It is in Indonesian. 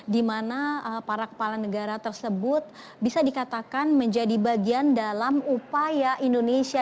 di mana para kepala negara tersebut bisa dikatakan menjadi bagian dalam upaya indonesia